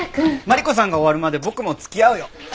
マリコさんが終わるまで僕も付き合うよ。